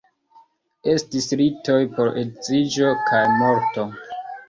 Estis ritoj por edziĝo kaj morto.